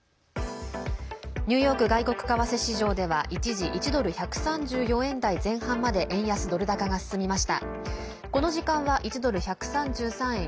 ニューヨーク外国為替市場では一時１ドル＝１３４円台前半まで円安ドル高が進みました。